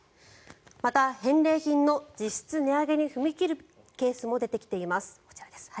また、返礼品の実質値上げに踏み切るケースも出てきています。